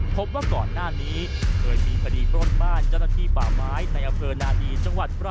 พบว่าก่อนหน้านี้เคยมีพ